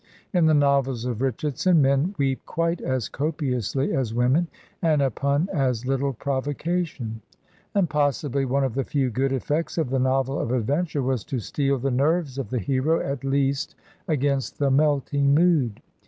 In the novels of Richardson men weep quite as copiously as women, and upon as little provocation; and possibly one of the few good effects of the novel of adventure was to steel the nerves of the hero, at least, against the melting mood.